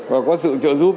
và có sự trợ giúp